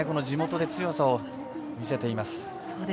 地元で強さを見せています。